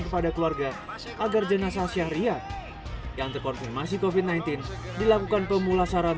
kepada keluarga agar jenazah syahriat yang terkonfirmasi kofit sembilan belas dilakukan pemulasaran